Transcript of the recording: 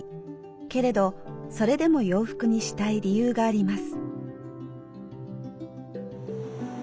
けれどそれでも洋服にしたい理由があります。